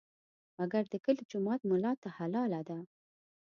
مګر د کلي جومات ملا ته حلاله ده.